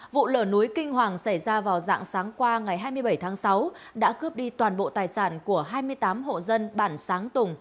vụ lở núi kinh hoàng xảy ra vào dạng sáng qua ngày hai mươi bảy tháng sáu đã cướp đi toàn bộ tài sản của hai mươi tám hộ dân bản sáng tùng